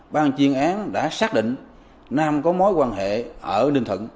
ban chuyên án đã xác định nam có mối quan hệ ở ninh thuận